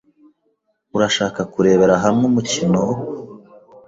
Urashaka kurebera hamwe umukino?